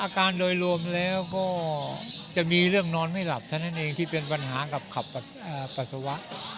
โดยรวมแล้วก็จะมีเรื่องนอนไม่หลับเท่านั้นเองที่เป็นปัญหากับขับปัสสาวะ